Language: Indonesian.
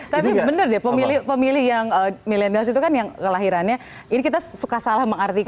tapi bener deh pemilih pemilih yang milenials itu kan yang kelahirannya ini kita suka salah mengartikan